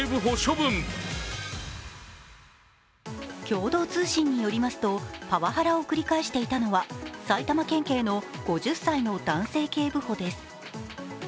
共同通信によりますとパワハラを繰り返していたのは埼玉県警の５０歳の男性警部補です。